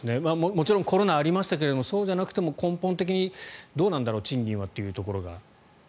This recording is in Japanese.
もちろんコロナありましたけどそうじゃなくても根本的にどうなんだろう、賃金はというところは。